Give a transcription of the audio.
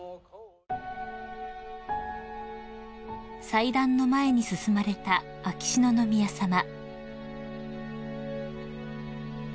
［祭壇の前に進まれた秋篠宮さま］